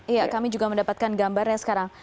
iya kami juga mendapatkan gambarnya sekarang